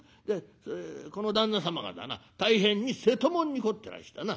「この旦那様がだな大変に瀬戸物に凝ってらしてな」。